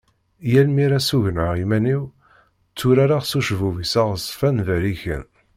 yal mi ara sugneɣ iman-iw tturareɣ s ucebbub-is aɣezfan berriken.